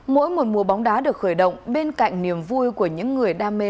mỗi một mùa bóng đá được khởi động bên cạnh niềm vui của những người đam mê